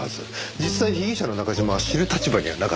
実際被疑者の中嶋は知る立場にはなかった。